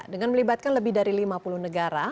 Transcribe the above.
dengan melibatkan lebih dari lima puluh negara